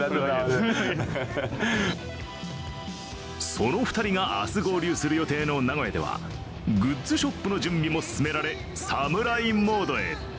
その２人が明日、合流する予定の名古屋ではグッズショップの準備も進められ侍モードへ。